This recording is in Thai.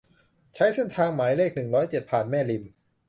ใช้เส้นทางหมายเลข หนึ่งร้อยเจ็ด ผ่านแม่ริม